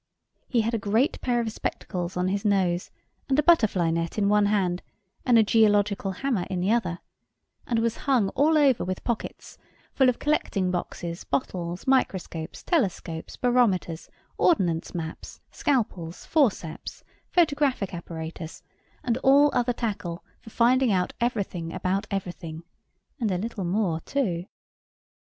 He had a great pair of spectacles on his nose, and a butterfly net in one hand, and a geological hammer in the other; and was hung all over with pockets, full of collecting boxes, bottles, microscopes, telescopes, barometers, ordnance maps, scalpels, forceps, photographic apparatus, and all other tackle for finding out everything about everything, and a little more too.